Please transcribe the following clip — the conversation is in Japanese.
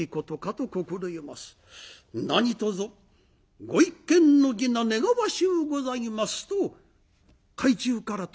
何とぞご一見の儀願わしゅうございます」と懐中から取り出しました